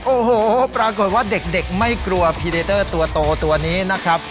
โอ้โหปรากฏว่าเด็กไม่กลัวพีเดเตอร์ตัวโตตัวนี้นะครับ